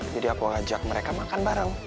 jadi aku ajak mereka makan bareng